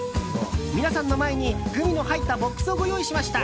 皆さんの前に、グミの入ったボックスをご用意しました。